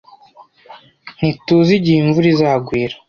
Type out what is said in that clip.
ntituzi igihe imvura izagwira